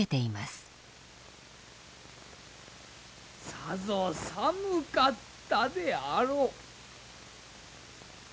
さぞ寒かったであろう。